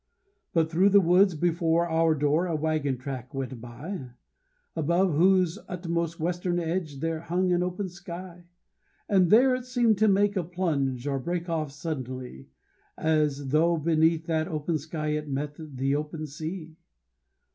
But through the woods before our door a wagon track went by, Above whose utmost western edge there hung an open sky; And there it seemed to make a plunge, or break off suddenly, As though beneath that open sky it met the open sea.